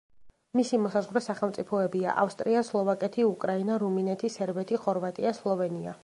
მისი მოსაზღვრე სახელმწიფოებია: ავსტრია, სლოვაკეთი, უკრაინა, რუმინეთი, სერბეთი, ხორვატია, სლოვენია.